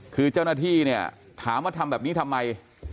คือเจ้าหน้าที่เนี่ยถามว่าทำแบบนี้ทำไม